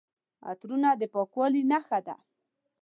عطرونه د پاکوالي نښه ده.